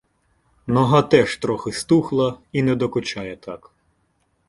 Нога теж трохи стухла і не докучає так.